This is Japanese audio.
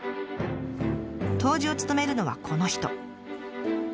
杜氏を務めるのはこの人。